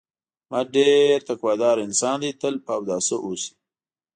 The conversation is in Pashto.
احمد ډېر تقوا داره انسان دی، تل په اوداسه اوسي.